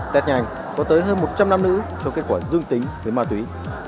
tết nhanh có tới hơn một trăm linh năm nữ cho kết quả dương tính với ma túy